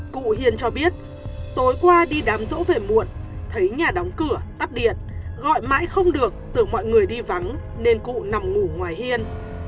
cụ hiên cho biết tối qua đi đám rỗ về muộn thấy nhà đóng cửa tắt điện gọi mãi không được tưởng mọi người đi vắng nên cụ nằm ngủ ngoài hiên